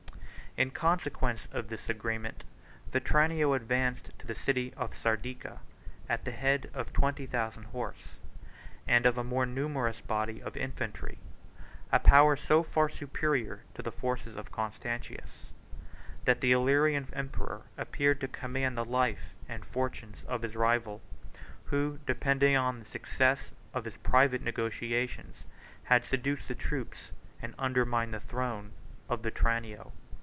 In consequence of this agreement, Vetranio advanced to the city of Sardica, 76 at the head of twenty thousand horse, and of a more numerous body of infantry; a power so far superior to the forces of Constantius, that the Illyrian emperor appeared to command the life and fortunes of his rival, who, depending on the success of his private negotiations, had seduced the troops, and undermined the throne, of Vetranio.